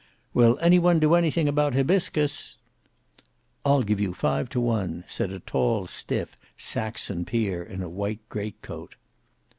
"Will any one do anything about Hybiscus?" "I'll give you five to one," said a tall, stiff Saxon peer, in a white great coat.